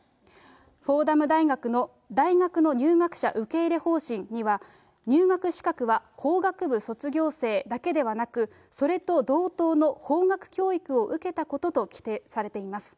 フォーダム大学の大学の入学者受け入れ方針には、入学資格は法学部卒業生だけではなく、それと同等の法学教育を受けたことと規定されています。